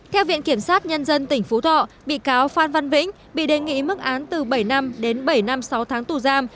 theo viện kiểm sát nhân dân tỉnh phú thọ bị cáo phan văn vĩnh bị đề nghị mức án từ bảy năm đến bảy năm sáu tháng tù giam